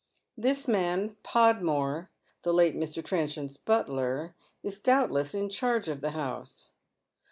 Tliis man, Podmore, the late Mr. Trenchard's butler, is doubtless in charge of the house.